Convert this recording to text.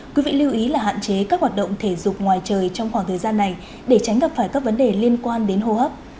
quý vị lưu ý là hạn chế các hoạt động thể dục ngoài trời trong khoảng thời gian này để tránh gặp phải các vấn đề liên quan đến hô hấp